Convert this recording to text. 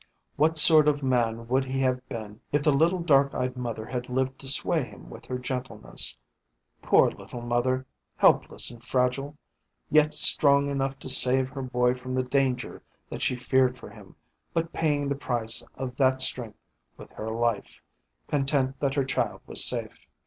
What sort of man would he have been if the little dark eyed mother had lived to sway him with her gentleness? Poor little mother, helpless and fragile! yet strong enough to save her boy from the danger that she feared for him, but paying the price of that strength with her life, content that her child was safe.